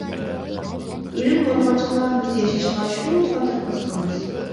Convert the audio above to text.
ئۆلۈم بولغاچقىلا بىز ياشاشقا شۇ قەدەر قىزىقىمىز.